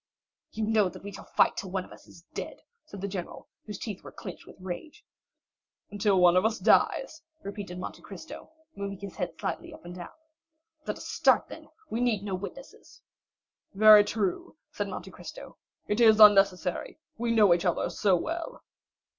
"You know that we shall fight till one of us is dead," said the general, whose teeth were clenched with rage. 40262m "Until one of us dies," repeated Monte Cristo, moving his head slightly up and down. "Let us start, then; we need no witnesses." "Very true," said Monte Cristo; "it is unnecessary, we know each other so well!"